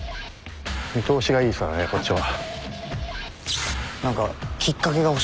見通しがいいですからねこっちは。